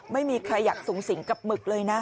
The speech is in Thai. ไม่มีใครอยากสูงสิงกับหมึกเลยนะ